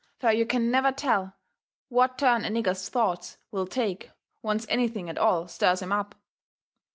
Fur you can never tell what turn a nigger's thoughts will take, once anything at all stirs 'em up.